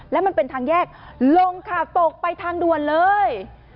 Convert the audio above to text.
แล้วมันเป็นทางแยกลงค่ะตกไปทางด่วนเลย